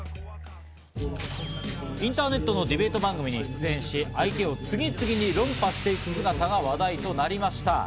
インターネットのディベート番組に出演し、相手を次々に論破していく姿が話題となりました。